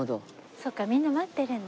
そうかみんな待ってるんだ。